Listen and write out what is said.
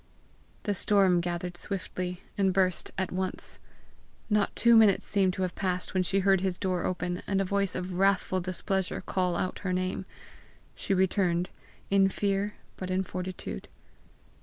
The storm gathered swiftly, and burst at once. Not two minutes seemed to have passed when she heard his door open, and a voice of wrathful displeasure call out her name. She returned in fear, but in fortitude.